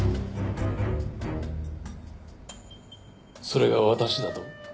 それが私だと？